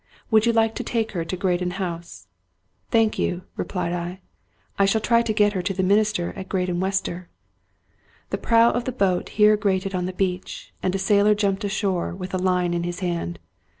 " Would you like to take her to Graden House ?"" Thank you," replied I ;" I shall try to get her to the minister at Graden Wester." The prow of the boat here grated on the beach, and a sailor jumped ashore with a line in his hand.